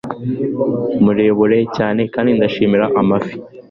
Murebure cyane kandi ndashimira amafi.